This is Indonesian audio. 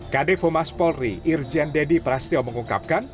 kd fomas polri irjen dedi prastyo mengungkapkan